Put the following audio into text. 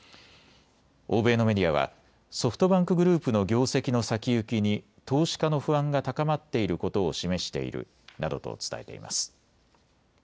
欧米のメディアはソフトバンクグループの業績の先行きに投資家の不安が高まっていることを示しているなどと伝えています。